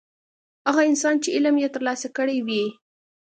هغه انسان چې علم یې ترلاسه کړی وي.